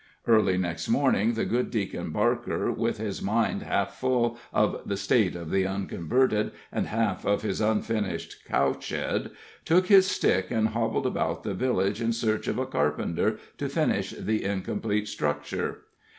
Early next morning the good Deacon Barker, with his mind half full of the state of the unconverted, and half of his unfinished cow shed, took his stick and hobbled about the village in search of a carpenter to finish the incomplete structure.